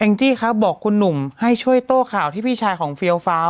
จี้ครับบอกคุณหนุ่มให้ช่วยโต้ข่าวที่พี่ชายของเฟียวฟ้าว